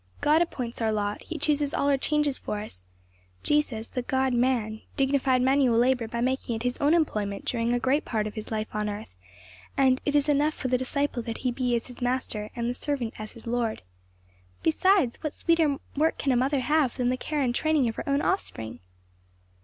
God appoints our lot; he chooses all our changes for us; Jesus, the God man, dignified manual labor by making it his own employment during a great part of his life on earth; and 'it is enough for the disciple that he be as his Master, and the servant as his Lord.' "Besides, what sweeter work can a mother have than the care and training of her own offspring?"